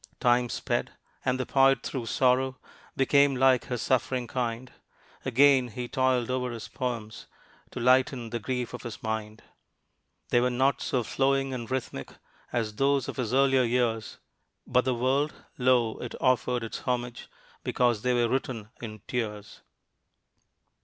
Time sped. And the poet through sorrow Became like his suffering kind. Again he toiled over his poems To lighten the grief of his mind. They were not so flowing and rhythmic As those of his earlier years, But the world? lo! it offered its homage Because they were written in tears.